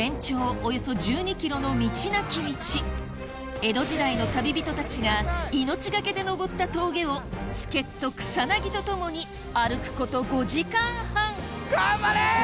道なき道江戸時代の旅人たちが命懸けで登った峠を助っ人草薙と共に歩くこと５時間半頑張れ！